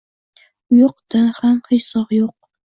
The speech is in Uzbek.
— Uyoqda ham hech zog‘ yo‘q.